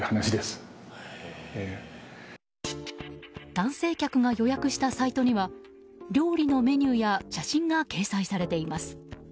男性客が予約したサイトには料理のメニューや写真が掲載されています。